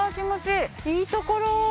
いいところ。